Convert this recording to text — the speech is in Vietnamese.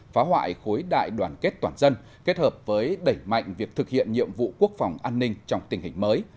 phá hoại khối đại đoàn kết toàn dân kết hợp với đẩy mạnh việc thực hiện nhiệm vụ quốc phòng an ninh trong tình hình mới